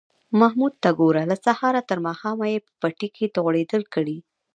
محمود ته گوره! له سهاره تر ماښامه یې په پټي کې تغړېدل کړي